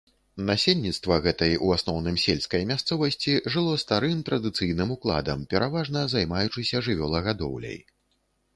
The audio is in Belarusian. Насельніцтва гэтай, у асноўным сельскай мясцовасці, жыло старым традыцыйным укладам, пераважна займаючыся жывёлагадоўляй.